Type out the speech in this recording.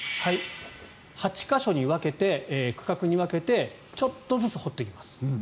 ８か所の区画に分けてちょっとずつ掘っていきます。